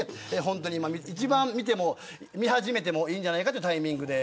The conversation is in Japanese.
一番見始めてもいいんじゃないかというタイミングです。